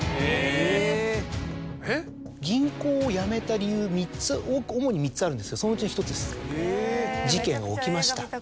銀行を辞めた理由３つ主に３つあるんですけどそのうちの１つです。